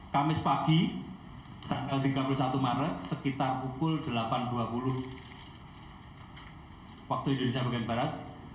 kamis pagi tanggal tiga puluh satu maret sekitar pukul delapan dua puluh waktu indonesia bagian barat